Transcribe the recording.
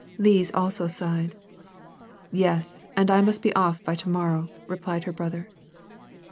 Lise also sighed. " Yes, and I must be off by to morrow," replied her brother.